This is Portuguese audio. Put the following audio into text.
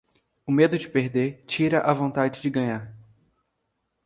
O medo de perder tira a vontade de ganhar.